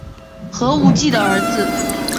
何无忌的儿子。